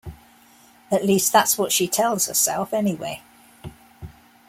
At least that's what she tells herself anyway.